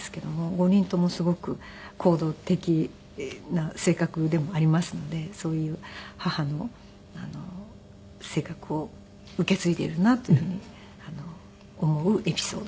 ５人ともすごく行動的な性格でもありますのでそういう母の性格を受け継いでいるなというふうに思うエピソードです。